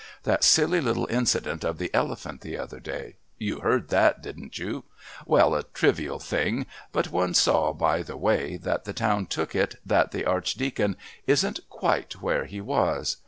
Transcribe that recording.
That silly little incident of the elephant the other day you heard that, didn't you? well, a trivial thing, but one saw by the way that the town took it that the Archdeacon isn't quite where he was.